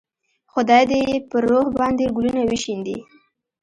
خدای دې یې پر روح باندې ګلونه وشیندي.